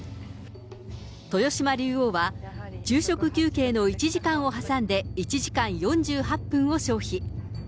豊島竜王は、昼食休憩の１時間を挟んで、１時間４８分を消費。